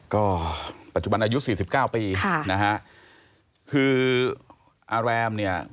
ก็ปัจจุบันอายุ๔๙ปีคืออารมณ์เนี่ย